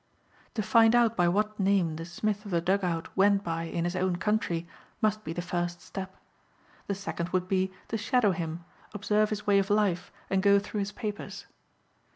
To find out by what name the Smith of the dug out went by in his own country must be the first step. The second would be to shadow him, observe his way of life and go through his papers.